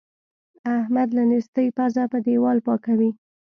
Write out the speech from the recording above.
احمد له نېستۍ پزه په دېوال پاکوي.